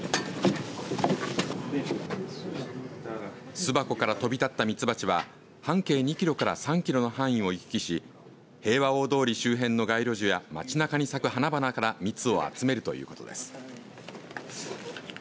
巣箱から飛び立った蜜蜂は半径２キロから３キロの範囲を行き来し平和大通り周辺の街路樹や街なかに咲く花々から蜜を集めるということです。